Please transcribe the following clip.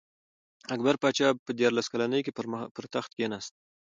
اکبر پاچا په دیارلس کلنۍ کي پر تخت کښېناست.